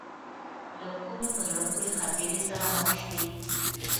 له کومې په زړه پورې خاطرې سره مخ شوې.